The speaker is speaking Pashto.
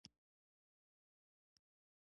اوته اېره شې!